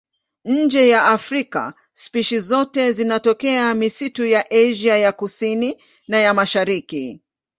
Nje ya Afrika spishi zote zinatokea misitu ya Asia ya Kusini na ya Mashariki.